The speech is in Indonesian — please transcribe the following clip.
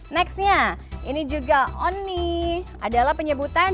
nextnya ini juga oni adalah penyebutan